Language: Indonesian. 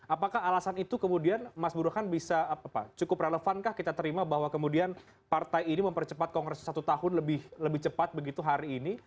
apakah alasan itu kemudian mas burhan bisa cukup relevankah kita terima bahwa kemudian partai ini mempercepat kongres satu tahun lebih cepat begitu hari ini